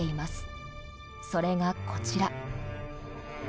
それがこちら。